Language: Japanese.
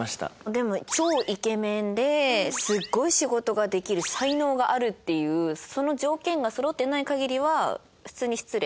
でも超イケメンですごい仕事ができる才能があるっていうその条件がそろってない限りは普通に失礼。